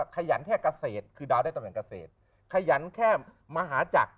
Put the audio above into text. ขยันแค่เกษตรคือดาวได้ตำแหนเกษตรขยันแค่มหาจักร